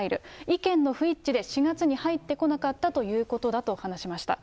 意見の不一致で４月に入ってこなかったということだと話しました。